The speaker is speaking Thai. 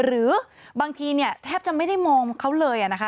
หรือบางทีเนี่ยแทบจะไม่ได้มองเขาเลยนะคะ